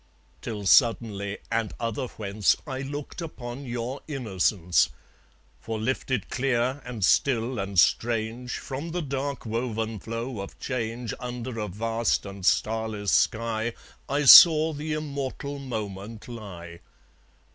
Till suddenly, and otherwhence, I looked upon your innocence. For lifted clear and still and strange From the dark woven flow of change Under a vast and starless sky I saw the immortal moment lie.